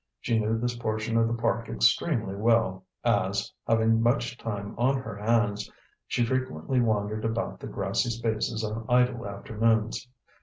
She knew this portion of the Park extremely well, as, having much time on her hands, she frequently wandered about the grassy spaces on idle afternoons.